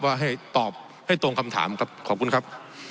ว่าให้ตอบให้ตรงคำถามครับขอบคุณครับ